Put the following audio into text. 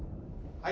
はい。